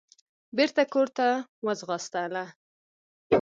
بېرته کورته وځغاستله.